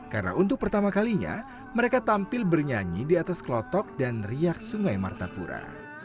karena untuk pertama kalinya mereka tampil bernyanyi di atas kelotok dan riak sungai martapura